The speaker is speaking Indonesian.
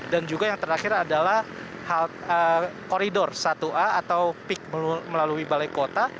dan juga yang terakhir adalah koridor satu a atau pik melalui balai kota